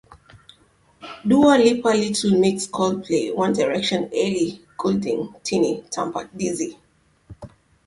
Dua Lipa Little Mix Coldplay One Direction Ellie Goulding Tinie Tempah Dizzee